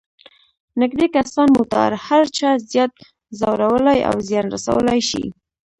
نږدې کسان مو تر هر چا زیات ځورولای او زیان رسولای شي.